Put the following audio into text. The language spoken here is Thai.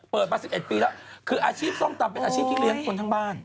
เปิด๓๑ปีครับซ้อมตำเป็นอาชีพที่เลี้ยงคนทั้งบ้าน